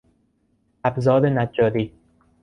ابزار نجاری